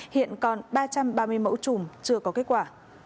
hiện còn ba trăm ba mươi mẫu chùm chưa có kết quả